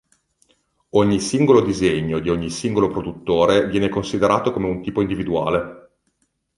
Ogni singolo disegno di ogni singolo produttore viene considerato come un tipo individuale.